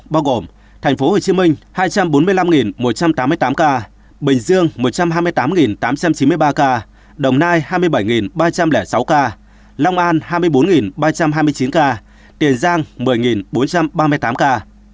bao gồm tp hcm hai trăm bốn mươi năm một trăm tám mươi tám ca bình dương một trăm hai mươi tám tám trăm chín mươi ba ca đồng nai hai mươi bảy ba trăm linh sáu ca long an hai mươi bốn ba trăm hai mươi chín ca tiền giang một mươi bốn trăm ba mươi tám ca